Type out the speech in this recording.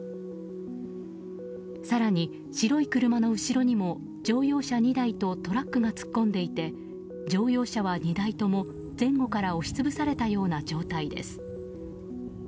更に白い車の後ろにも乗用車２台とトラックが突っ込んでいて乗用車は２台とも前後から押し潰されたような状態です。